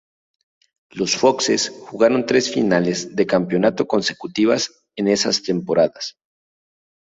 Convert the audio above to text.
Los Foxes jugaron tres finales de campeonato consecutivas en esas temporadas.